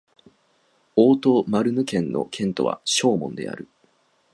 オート＝マルヌ県の県都はショーモンである